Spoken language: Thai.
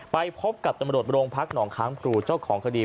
ไปพบกับตำรวจโรงพักหนองค้างพลูเจ้าของคดี